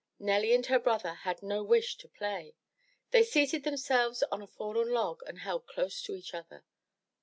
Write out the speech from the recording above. Nelly and her brother had no wish to play. They seated themselves on a fallen log and held close to each other.